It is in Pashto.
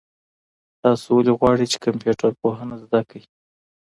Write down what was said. تاسو ولې غواړئ چي کمپيوټر پوهنه زده کړئ؟